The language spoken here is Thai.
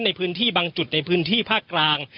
ในพื้นที่บางจุดในพื้นที่ภาคกลาง